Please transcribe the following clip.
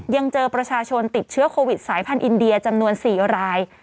ยังเจอประชาชนติดเชื้อโควิดสายพันธุอินเดียจำนวน๔ราย